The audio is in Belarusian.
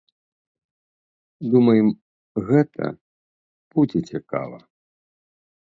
Думаем, гэта будзе цікава.